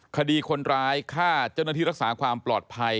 คดีคนร้ายฆ่าเจ้าหน้าที่รักษาความปลอดภัย